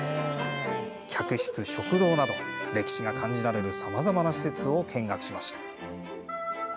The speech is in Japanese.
客室、食堂など歴史が感じられるさまざまな施設を見学しました。